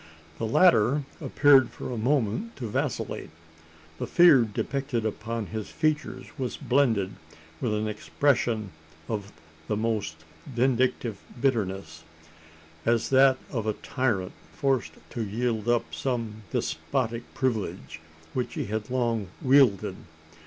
The latter appeared for a moment to vacillate. The fear depicted upon his features was blended with an expression of the most vindictive bitterness as that of a tyrant forced to yield up some despotic privilege which he has long wielded.